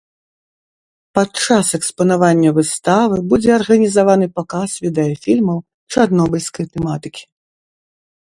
Пад час экспанавання выставы будзе арганізаваны паказ відэафільмаў чарнобыльскай тэматыкі.